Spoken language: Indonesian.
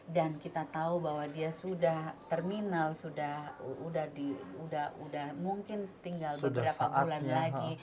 dan kita tahu bahwa dia sudah terminal sudah mungkin tinggal beberapa bulan lagi